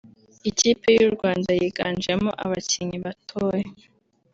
Ikipe y’u Rwanda yiganjemo abakinnyi batoya